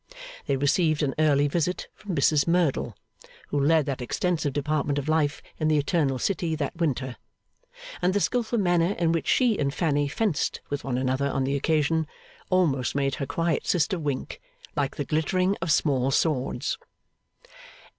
They received an early visit from Mrs Merdle, who led that extensive department of life in the Eternal City that winter; and the skilful manner in which she and Fanny fenced with one another on the occasion, almost made her quiet sister wink, like the glittering of small swords.